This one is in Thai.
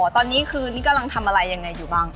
ตอนนี้คือนี่กำลังทำอะไรยังไงอยู่บ้าง